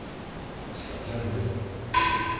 ちょっとやってみるね。